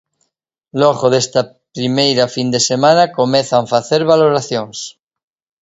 Logo desta primeira fin de semana comezan facer valoracións.